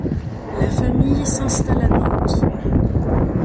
La famille s'installe à Nantes.